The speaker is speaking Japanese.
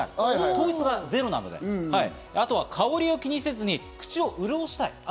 糖質がゼロなので、あとは香りを気にせずに口を潤したい。